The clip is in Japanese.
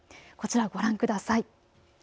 こちらご覧ください。